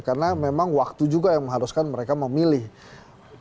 karena memang waktu juga yang harus mereka memiliki